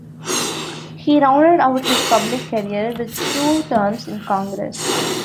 He rounded out his public career with two terms in Congress.